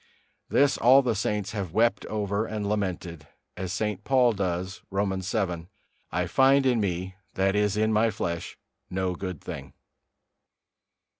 This all the saints have wept over and lamented, as St. Paul does, Romans vii: "I find in me, that is in my flesh, no good thing."